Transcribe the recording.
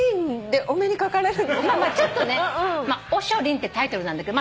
『おしょりん』ってタイトルなんだけど。